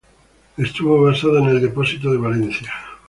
Estuvo basada en el depósito de Valencia.